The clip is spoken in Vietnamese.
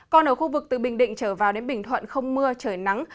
còn ở khu vực từ bình định trở vào đến bình thuận không mưa trời nắng